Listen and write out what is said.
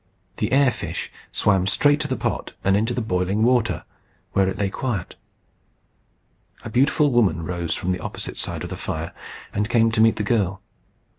The air fish swam straight to the pot and into the boiling water, where it lay quiet. A beautiful woman rose from the opposite side of the fire and came to meet the girl.